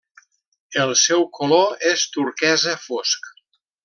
El seu color és turquesa fosc.